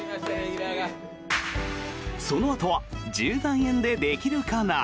そのあとは「１０万円でできるかな」。